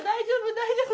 大丈夫？